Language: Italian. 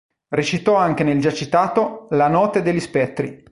Recitò anche nel già citato "La notte degli spettri".